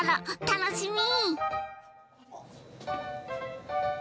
楽しみ！